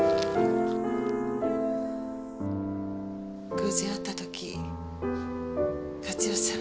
偶然会った時勝代さん